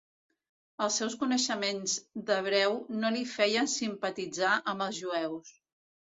Els seus coneixements d'hebreu no li feien simpatitzar amb els jueus.